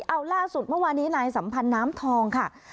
เอาล่าสุดเมื่อวานี้นายสัมพันธ์น้ำทองค่ะ